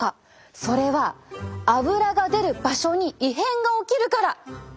それはアブラが出る場所に異変が起きるから！